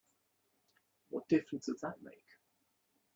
What difference does that make?